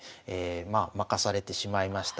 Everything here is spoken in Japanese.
まあ負かされてしまいました。